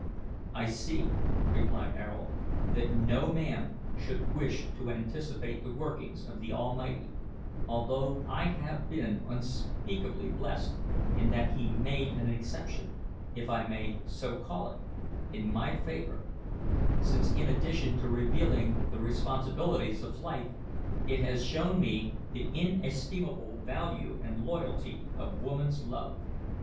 "I see," replied Ayrault, "that no man should wish to anticipate the workings of the Almighty, although I have been unspeakably blessed in that He made an exception if I may so call it in my favour, since, in addition to revealing the responsibilities of life, it has shown me the inestimable value and loyalty of woman's love.